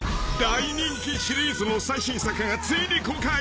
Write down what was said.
［大人気シリーズの最新作がついに公開］